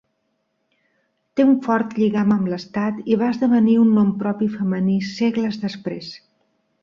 Té un fort lligam amb l'Estat i va esdevenir un nom propi femení segles després.